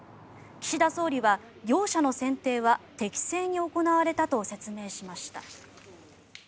岸田総理は、業者の選定は適正に行われたと説明しました。